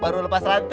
baru lepas rantai